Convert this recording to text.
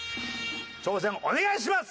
挑戦お願いします！